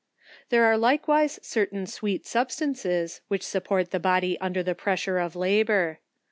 There are likewise certain sweet substances which support the body under the pressure of labour.